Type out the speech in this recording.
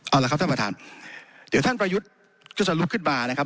เอาละครับท่านประธานเดี๋ยวท่านประยุทธ์ก็จะลุกขึ้นมานะครับ